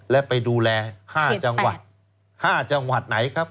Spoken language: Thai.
และไปดูแลห้าจังหวัดเห็ดแปดห้าจังหวัดไหนครับ